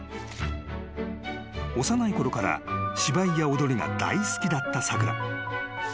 ［幼いころから芝居や踊りが大好きだったさくら］